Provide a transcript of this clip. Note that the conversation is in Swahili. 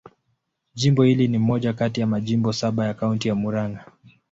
Jimbo hili ni moja kati ya majimbo saba ya Kaunti ya Murang'a.